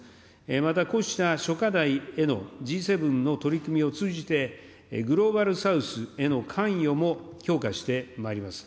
またこうした諸課題へのＧ７の取り組みを通じて、グローバル・サウスへの関与も強化してまいります。